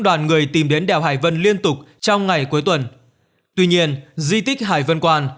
đoàn người tìm đến đèo hải vân liên tục trong ngày cuối tuần tuy nhiên di tích hải vân quan